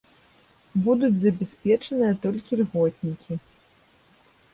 Будуць забяспечаныя толькі льготнікі.